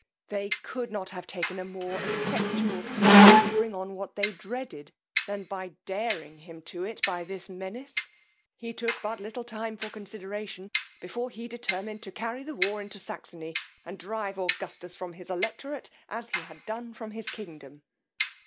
They could not have taken a more effectual step to bring on what they dreaded, than by daring him to it by this menace. He took but little time for consideration, before he determined to carry the war into Saxony, and drive Augustus from his electorate, as he had done from his kingdom.